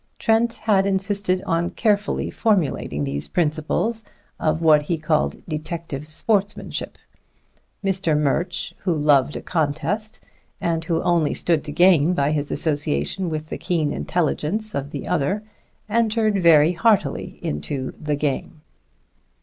Trent had insisted on carefully formulating these principles of what he called detective sportsmanship. Mr. Murch, who loved a contest, and who only stood to gain by his association with the keen intelligence of the other, entered very heartily into "the game."